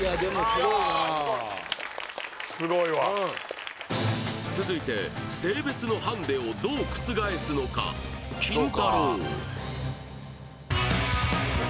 すごいわ続いて性別のハンデをどう覆すのかキンタロー。